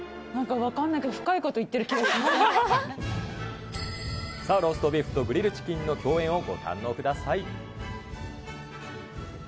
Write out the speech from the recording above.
なんか分かんないけど、さあ、ローストビーフとグリルチキンの共演をご堪能ください。